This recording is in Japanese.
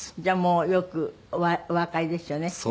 じゃあもうよくおわかりですよね。